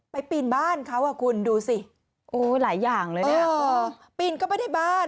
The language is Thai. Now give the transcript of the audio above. ไปปีนบ้านเขาคุณดูสิหลายอย่างเลยนะปีนก็ไม่ได้บ้าน